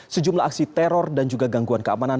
sejumlah aksi teror dan juga gangguan keamanan